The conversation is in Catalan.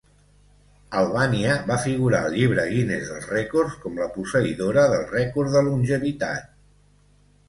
Albània va figurar al Llibre Guinness dels Rècords com la posseïdora del rècord de longevitat.